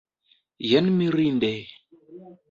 Jen mirinde!